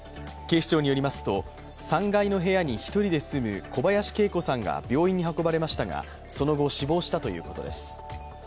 警視庁によりますと、３階の部屋に１人で住む小林恵子さんが病院に運ばれましたが、その後死亡したということです。